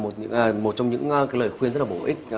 như vậy cũng là một trong những lời khuyên rất là bổ ích